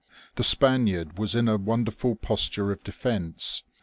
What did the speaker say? The Spaniard was in a wonderful posture of defence.